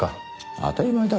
当たり前だろ。